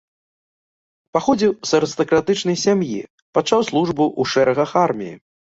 Паходзіў з арыстакратычнай сям'і, пачаў службу ў шэрагах арміі.